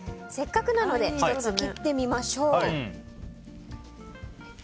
せっかくなので１つ切ってみましょう。